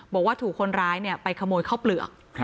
บอกว่าถูกคนร้ายไปขโมยข้าวเปลือก